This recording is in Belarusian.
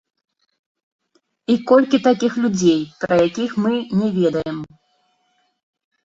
І колькі такіх людзей, пра якіх мы не ведаем?